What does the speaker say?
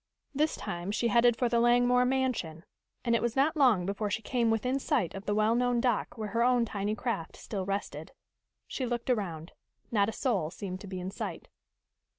This time she headed for the Langmore mansion, and it was not long before she came within sight of the well known dock where her own tiny craft still rested. She looked around. Not a soul seemed to be in sight.